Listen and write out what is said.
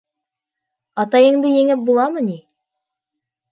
Атайыңды еңеп буламы ни?